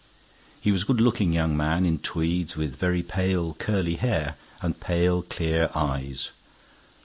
He was a good looking young man in tweeds, with very pale curly hair and pale clear eyes.